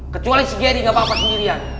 kecuali si gari gak apa apa sendirian